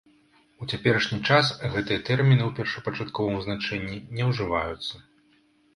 У цяперашні час гэтыя тэрміны ў першапачатковым значэнні не ўжываюцца.